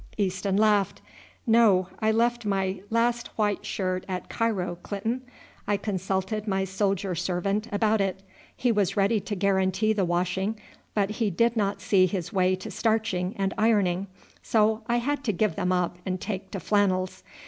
Easton laughed. "No, I left my last white shirt at Cairo, Clinton. I consulted my soldier servant about it. He was ready to guarantee the washing, but he did not see his way to starching and ironing; so I had to give them up and take to flannels.